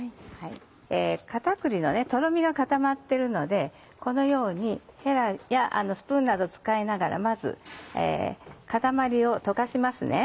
片栗のとろみが固まってるのでこのようにヘラやスプーンなど使いながらまず塊を溶かしますね。